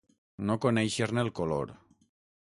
No conèixer-ne el color.